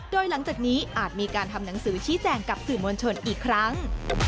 โดยหลังจากนี้อาจมีการทำหนังสือชี้แจงกับสื่อมวลชนอีกครั้ง